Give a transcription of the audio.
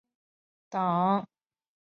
随后该党将党名改为乌克兰绿党。